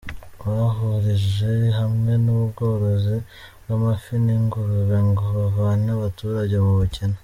Bahurije hamwe ubworozi bw’amafi n’ingurube ngo bavane abaturage mu bukene